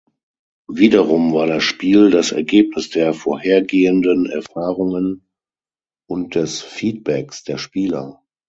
Wiederum war das Spiel das Ergebnis der vorhergehenden Erfahrungen und des Feedbacks der Spieler.